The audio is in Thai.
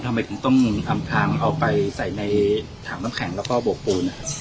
ทำไมถึงต้องอำทางเอาไปใส่ในถังน้ำแข็งแล้วก็บวกปูน